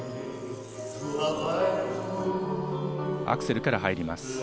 アクセルから入ります。